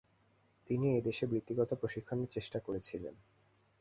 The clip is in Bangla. তিনি এদেশে বৃত্তিগত প্রশিক্ষনের চেষ্টা করেছিলেন।